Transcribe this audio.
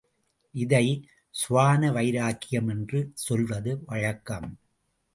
இதைச் சுவான வைராக்கியம் என்று சொல்வது வழக்கம்.